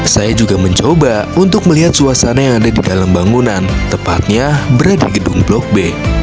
saya juga mencoba untuk melihat suasana yang ada di dalam bangunan tepatnya berada di gedung blok b